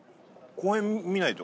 公演見ないと。